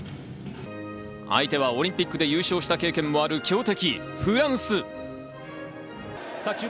相手はオリンピックで優勝した経験もある強敵